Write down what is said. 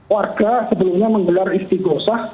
warga sebelumnya menggelar istiqosah